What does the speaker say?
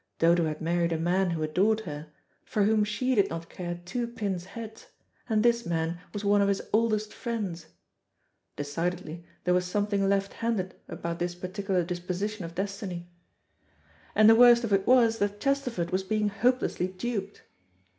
Dodo had married a man who adored her, for whom she did not care two pins' heads, and this man was one of his oldest friends. Decidedly there was something left handed about this particular disposition of destiny. And the worst of it was that Chesterford was being hopelessly duped.